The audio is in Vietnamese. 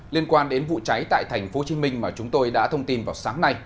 liên quan đến vụ cháy tại tp hcm mà chúng tôi đã thông tin vào sáng nay